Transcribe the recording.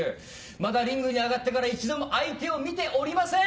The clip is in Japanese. まだリングに上がってから一度も相手を見ておりません！